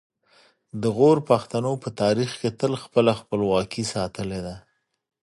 د غور پښتنو په تاریخ کې تل خپله خپلواکي ساتلې ده